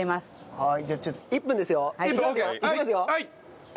はい。